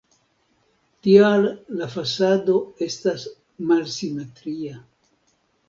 Tial la fasado estas malsimetria.